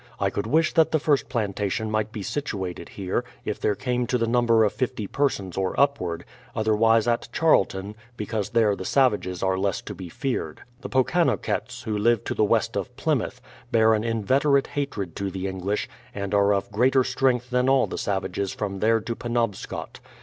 I could wish that the first plantation might be situated here, if there came to the number of fifty persons or upward; other wise at Charlton, because there the savages are less to be feared. The Pokanokcts, who live to the west of Plymouth, bear an in veterate hatred to the English, and are of greater strength than all the savages from there to Penobscot.